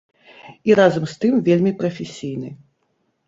І разам з тым вельмі прафесійны.